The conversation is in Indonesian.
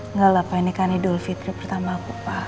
enggak lah pak ini kan idul fitri pertama aku pak